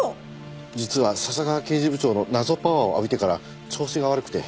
実は笹川刑事部長の謎パワーを浴びてから調子が悪くて。